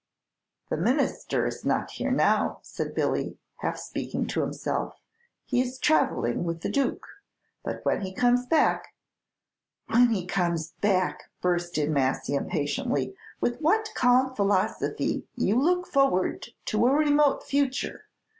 "The Minister is not here now," said Billy, half speaking to himself, "he is travelling with the Duke; but when he comes back " "When he comes back!" burst in Massy, impatiently; "with what calm philosophy you look forward to a remote future.